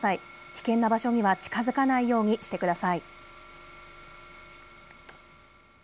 危険な場所には近づかないようにしてください。